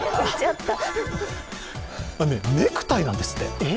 ネクタイなんですって。